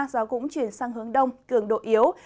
gió cũng chuyển sang hướng đông cường độ yếu